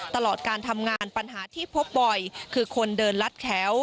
ตลอดการทำงานปัญหาที่พบบ่อยคือคนเดินลัดแถว